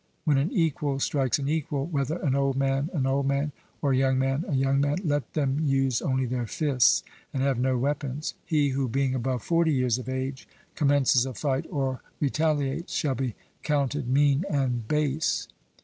When an equal strikes an equal, whether an old man an old man, or a young man a young man, let them use only their fists and have no weapons. He who being above forty years of age commences a fight, or retaliates, shall be counted mean and base.